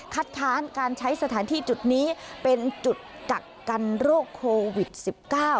ค้านการใช้สถานที่จุดนี้เป็นจุดกักกันโรคโควิดสิบเก้า